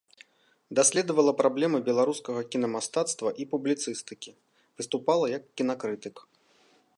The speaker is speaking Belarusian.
Даследавала праблемы беларускага кінамастацтва і публіцыстыкі, выступала як кінакрытык.